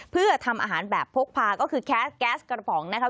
เพื่อทำอาหารแบบพกพาก็คือแก๊สแก๊สกระป๋องนะคะ